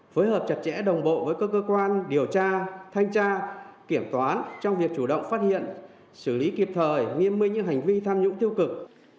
phối hợp chặt chẽ đồng bộ với các cơ quan điều tra thanh tra kiểm toán trong việc chủ động phát hiện xử lý kịp thời nghiêm minh những hành vi tham nhũng tiêu cực